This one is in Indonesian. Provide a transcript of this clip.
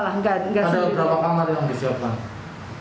ada berapa kamar yang disiapkan